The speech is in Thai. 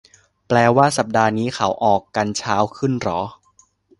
แปลว่าสัปดาห์นี้เขาออกกันเช้าขึ้นเหรอ